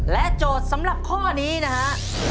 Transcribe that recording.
โจทย์สำหรับข้อนี้นะฮะ